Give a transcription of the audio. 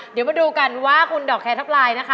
เดี๋ยวมาดูกันว่าคุณดอกแคทับลาย